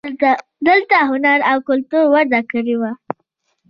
دلته هنر او کلتور وده کړې وه